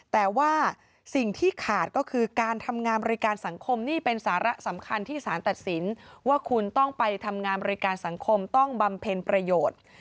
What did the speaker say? แต่ว่าสิ่งที่ขาดก็คือการทำงานบริการสังคมนี่เป็นสาระสำคัญที่สารตัดสินว่าคุณต้องไปทำงานบริการสังคมต้องบำเพ็ญประโยชน์